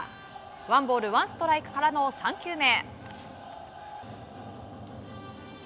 ワンボールワンストライクからの３球目。